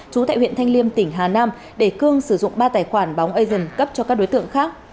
trú tại huyện thanh liêm tỉnh hà nam để cương sử dụng ba tài khoản bóng asian cấp cho các đối tượng khác